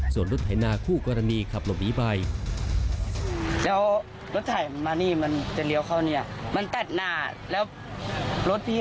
ส่วนรถไถหน้าคู่กรณีขับลบนี้ไป